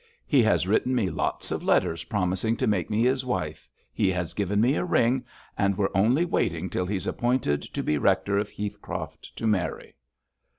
He has written me lots of letters promising to make me his wife, he has given me a ring, and we're only waiting till he's appointed to be rector of Heathcroft to marry.'